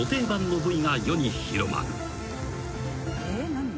何？